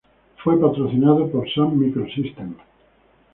Fue patrocinado por Sun Microsystems.